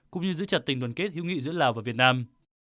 cũng như giữ chặt tình đoàn kết hữu nghị giữa lào và việt nam